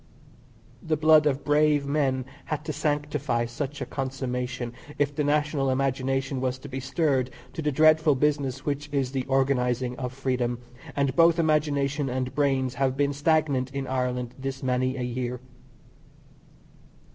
The blood of brave men had to sanctify such a consummation if the national imagination was to be stirred to the dreadful business which is the organizing of freedom, and both imagination and brains have been stagnant in Ireland this many a year.